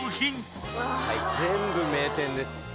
全部名店です。